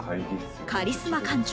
カリスマ艦長